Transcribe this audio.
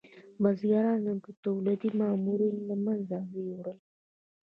بزګرانو دولتي مامورین له منځه یوړل.